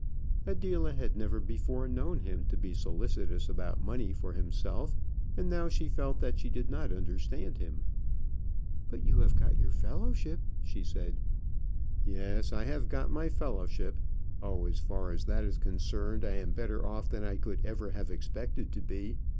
Adela had never before known him to be solicitous about money for himself, and now she felt that she did not understand him. "But you have got your fellowship," said she. "Yes, I have got my fellowship: oh, as far as that is concerned, I am better off than I could ever have expected to be.